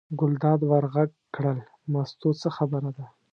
ګلداد ور غږ کړل: مستو څه خبره ده.